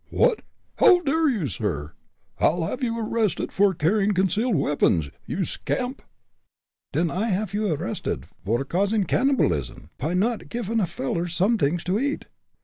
"What! how dare you, sir! I'll have you arrested for carrying concealed weapons, you scamp!" "Den I haff you arrested vor causing cannibalism, py not giffin' a veller somedings to eat.